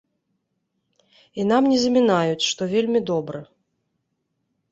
І нам не замінаюць, што вельмі добра.